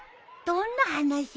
どんな話？